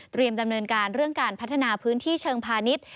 ดำเนินการเรื่องการพัฒนาพื้นที่เชิงพาณิชย์